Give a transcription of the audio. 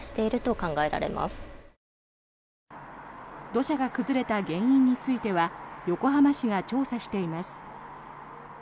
土砂が崩れた原因については横浜市が調査しています。